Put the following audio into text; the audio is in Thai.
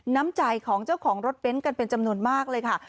น้ำใจของเจ้าของรถเบ้นกันเป็นจำนวนมากเลยค่ะ